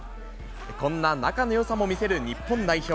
こんな仲のよさも見せる日本代表。